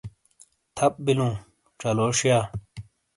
تھَپ بِیلوں، چَلو شِیا۔